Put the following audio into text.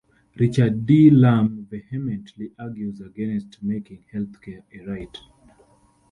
Richard D Lamm vehemently argues against making healthcare a right.